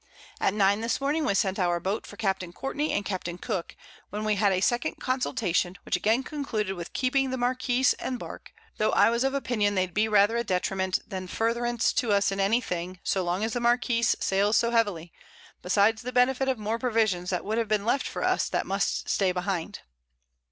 At 9 this Morning, we sent our Boat for Capt. Courtney and Capt. Cooke, when we had a second Consultation, which again concluded with keeping the Marquiss and Bark: Tho' I was of Opinion, they'd be rather a Detriment than Furtherance to us in any thing, so long as the Marquiss sails so heavily, besides the Benefit of more Provisions that would have been left for us that must stay behind.